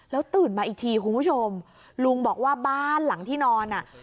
ตื่นมาอีกทีคุณผู้ชมลุงบอกว่าบ้านหลังที่นอนอ่ะ